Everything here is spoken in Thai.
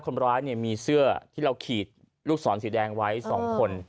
คนร้ายมีเสื้อที่เราขีดลูกศรสีแดงไว้๒คน